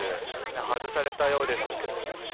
外されたようです。